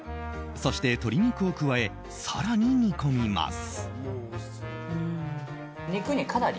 そして鶏肉を加え更に煮込みます。